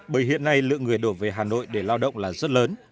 bởi hiện nay lượng người đổ về hà nội để lao động là rất lớn